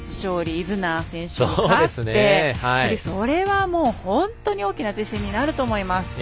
イズナー選手に勝ってそれは、本当に大きな自信になると思います。